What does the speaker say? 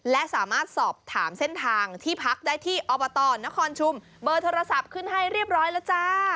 และสามารถสอบถามเส้นทางที่พักได้ที่อบตนครชุมเบอร์โทรศัพท์ขึ้นให้เรียบร้อยแล้วจ้า